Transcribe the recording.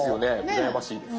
羨ましいです。